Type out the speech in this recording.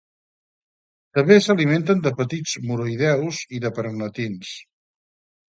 També s'alimenten de petits muroïdeus i de perognatins.